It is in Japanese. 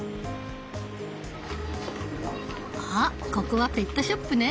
あここはペットショップね！